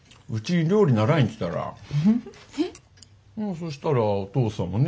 そしたらお父さんもね